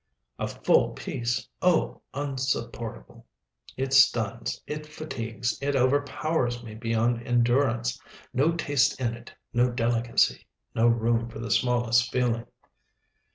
"A full piece! oh, insupportable! it stuns, it fatigues, it overpowers me beyond endurance! no taste in it, no delicacy, no room for the smallest feeling."